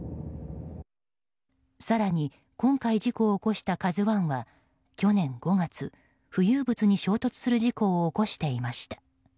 更に、今回事故を起こした「ＫＡＺＵ１」は去年５月、浮遊物に衝突する事故を起こしていました。